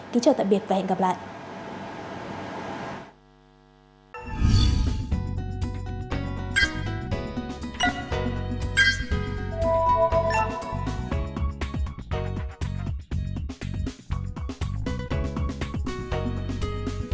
kính chào tạm biệt và hẹn gặp lại